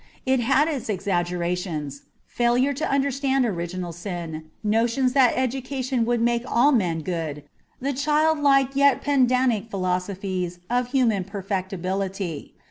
It had its exaggerations — failure to understand original sin, notions that education would make all men good, the childlike yet pedantic philosophies of human perfectibility.